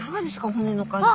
骨の感じ。